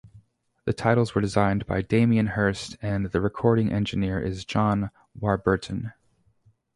The titles were designed by Damien Hirst and the recording engineer is John Warburton.